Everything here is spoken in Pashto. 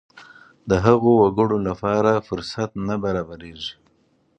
د هغو وګړو لپاره فرصت نه برابرېږي.